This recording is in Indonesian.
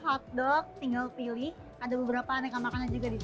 hotdog tinggal pilih ada beberapa aneka makanan juga di sini